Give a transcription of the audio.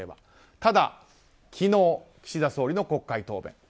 ただ昨日、岸田総理の国会答弁。